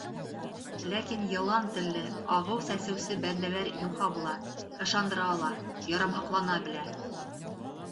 Ләкин йылан телле, ағыу сәсеүсе бәндәләр юха була — ышандыра ала, ярамһаҡлана белә.